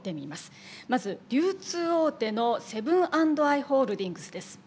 まず流通大手のセブン＆アイ・ホールディングスです。